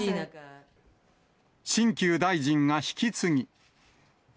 新旧大臣が引き継ぎ。